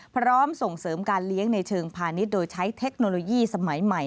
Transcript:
ส่งเสริมการเลี้ยงในเชิงพาณิชย์โดยใช้เทคโนโลยีสมัยใหม่